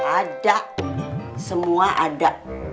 ada semua ada